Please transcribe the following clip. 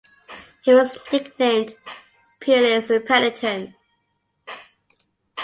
He was nicknamed "Peerless Pennington".